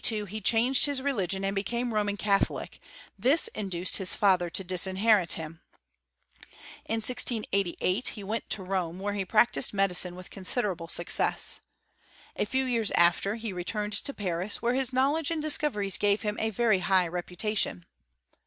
241 2 he chang; ed his religion and became Ro man catholic : this induced his father to disinherit him. In 1688 he went to Rome, where he practised medicine with considerable snccess. A few yeari after he returned to Paris, where his knowledge and discoveries gave him a vei'y high reputation.